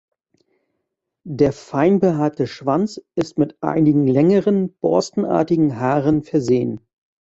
Der fein behaarte Schwanz ist mit einigen längeren, borstenartigen Haaren versehen.